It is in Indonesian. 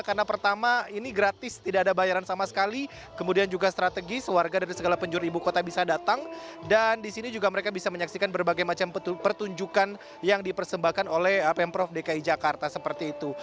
karena pertama ini gratis tidak ada bayaran sama sekali kemudian juga strategis warga dari segala penjuruh ibu kota bisa datang dan di sini juga mereka bisa menyaksikan berbagai macam pertunjukan yang dipersembahkan oleh pemprov dki jakarta seperti itu